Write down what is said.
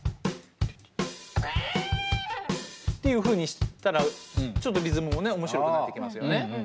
っていうふうにしたらちょっとリズムもね面白くなってきますよね。